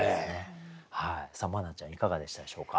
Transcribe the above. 茉奈ちゃんいかがでしたでしょうか？